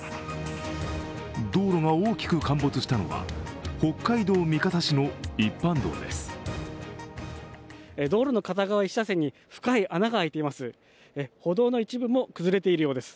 道路が大きく陥没したのは、北海道三笠市の一般道です。